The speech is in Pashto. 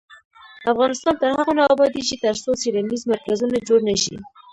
افغانستان تر هغو نه ابادیږي، ترڅو څیړنیز مرکزونه جوړ نشي.